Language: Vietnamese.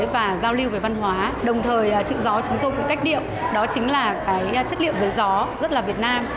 và giao lưu về văn hóa đồng thời chữ gió chúng tôi cũng cách điệu đó chính là cái chất liệu giới gió rất là việt nam